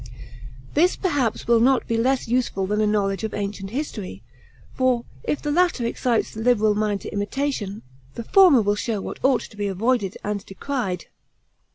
This, perhaps, will not be less useful than a knowledge of ancient history; for, if the latter excites the liberal mind to imitation, the former will show what ought to be avoided and decried.